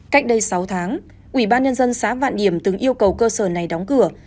cách đây sáu tháng ủy ban nhân dân xã vạn điểm từng yêu cầu cơ sở này đóng cửa